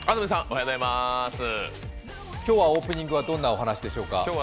今日はオープニングはどんな話でしょうか？